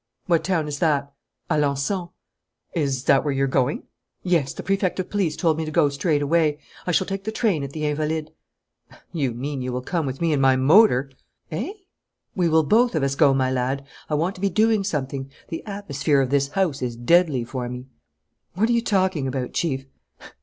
"What town is that?" "Alençon." "And is that where you're going?" "Yes, the Prefect of Police told me to go straightaway. I shall take the train at the Invalides." "You mean you will come with me in my motor." "Eh?" "We will both of us go, my lad. I want to be doing something; the atmosphere of this house is deadly for me." "What are you talking about, Chief?"